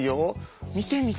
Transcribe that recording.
見てみて。